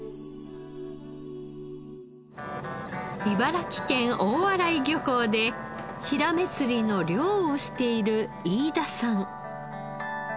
茨城県大洗漁港でヒラメ釣りの漁をしている飯田さん。